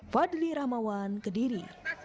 fadli rahmawan kediri